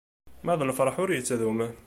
Ma d lferḥ ur yettdum.